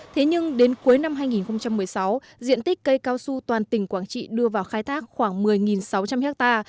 thế nhưng đến cuối năm hai nghìn một mươi sáu diện tích cây cao su toàn tỉnh quảng trị đưa vào khai thác khoảng một mươi sáu trăm linh ha